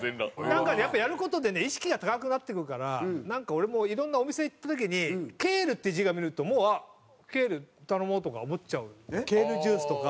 なんかねやっぱりやる事でね意識が高くなってくるからなんか俺もいろんなお店行った時に「ケール」っていう字が見えるとあっケール頼もうとか思っちゃうケールジュースとか。